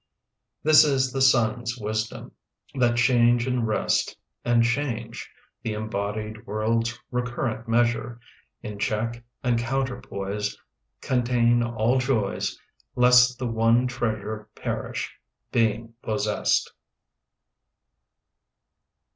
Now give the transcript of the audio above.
This is the sun's wisdom: that change and rest And change, the embodied world's recurrent measure, In check and counterpoise Contain all joys Lest the one treasure perish, being possessed.